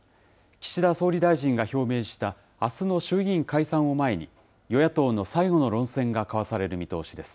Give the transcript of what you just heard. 岸田総理大臣が表明したあすの衆議院解散を前に、与野党の最後の論戦が交わされる見通しです。